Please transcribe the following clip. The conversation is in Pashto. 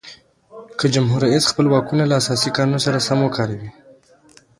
که جمهور رئیس خپل واکونه له اساسي قانون سره سم وکاروي.